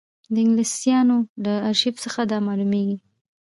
د انګلیسیانو له ارشیف څخه دا معلومېږي.